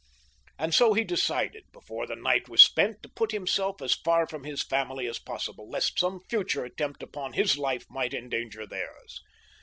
And so he decided before the night was spent to put himself as far from his family as possible, lest some future attempt upon his life might endanger theirs.